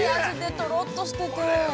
◆とろっとしてて。